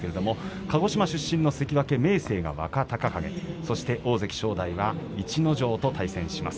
鹿児島出身の関脇明生が若隆景と大関正代は逸ノ城と対戦します。